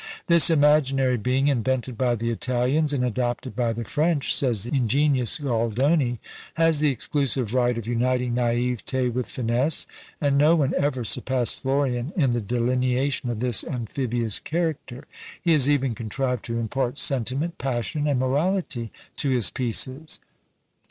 "This imaginary being, invented by the Italians, and adopted by the French," says the ingenious Goldoni, "has the exclusive right of uniting naÃŸvetÃ© with finesse, and no one ever surpassed Florian in the delineation of this amphibious character. He has even contrived to impart sentiment, passion, and morality to his pieces."